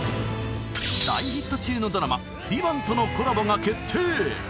大ヒット中のドラマ「ＶＩＶＡＮＴ」とのコラボが決定